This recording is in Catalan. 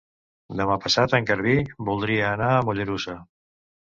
Demà passat en Garbí voldria anar a Mollerussa.